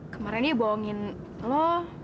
kemarin dia bohongin lo